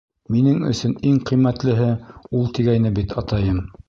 Минең өсөн иң ҡиммәтлеһе ул тигәйне бит атайым.